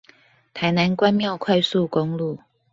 台南關廟快速公路